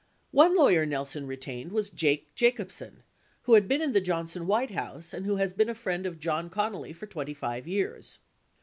One lawyer Nelson retained was Jake Jacobsen, who had been in the Johnson White House and who has been a friend of John Connally for 25 years.